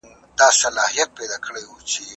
هغه په استراحت کولو بوخت دی.